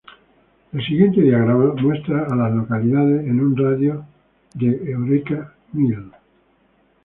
El siguiente diagrama muestra a las localidades en un radio de de Eureka Mill.